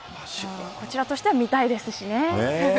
こちらとしては見たいですしね。